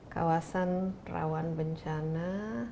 kawasan rawan bencana